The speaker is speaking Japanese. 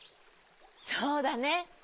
そうだね。